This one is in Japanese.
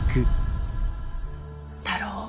太郎。